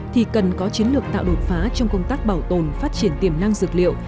thì cần có chiến lược tạo đột phá trong công tác bảo tồn phát triển tiềm năng dược liệu